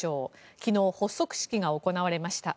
昨日、発足式が行われました。